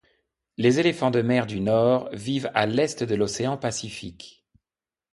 Les éléphants de mer du nord vivent à l'est de l'Océan Pacifique.